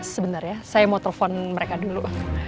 sebentar ya saya mau telepon mereka dulu